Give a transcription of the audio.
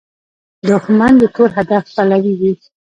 دښمن د تور هدف پلوي وي